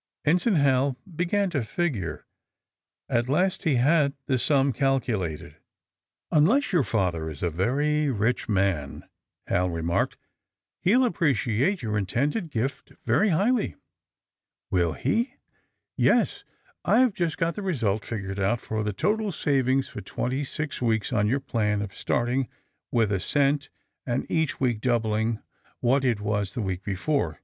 Ensign Hal began to figure. At last he had the sum calculated. Unless your father is a very rich man, '' Hal ii' 160 THE SUBMARINE BOYS remarked, '^ lie '11 appreciate your intended gift ver}^ liigMy." ^'A¥ill her' ^^Yes; I've jnst got the result figured out for the total savings for twenty six weeks on your plan of starting with a cent and each week doubling what it was the week before.